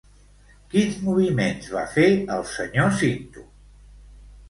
Quins moviments va fer el senyor Cinto?